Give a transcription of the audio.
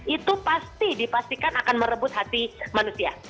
itu pasti dipastikan akan merebut hati manusia